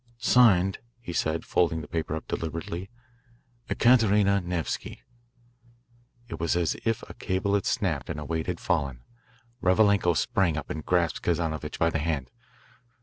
"Signed," he said, folding the paper up deliberately, "Ekaterina Nevsky." It was as if a cable had snapped and a weight had fallen. Revalenko sprang up and grasped Kazanovitch by the hand.